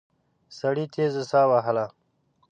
سړي تېزه ساه وهله.